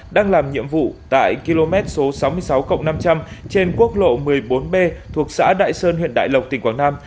đang làm nhiệm vụ tại km số sáu mươi sáu năm trăm linh trên quốc lộ một mươi bốn b thuộc xã đại sơn huyện đại lộc tỉnh quảng nam